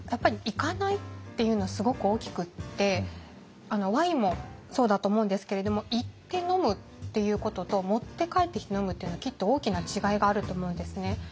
行かないっていうのはすごく大きくてワインもそうだと思うんですけれども行って飲むっていうことと持って帰ってきて飲むっていうのはきっと大きな違いがあると思うんですね。